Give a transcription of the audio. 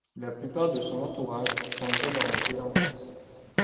La plupart de son entourage sombrait dans la délinquance.